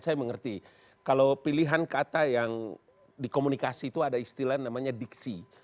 saya mengerti kalau pilihan kata yang dikomunikasi itu ada istilah namanya diksi